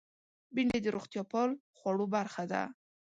بېنډۍ د روغتیا پال خوړو برخه ده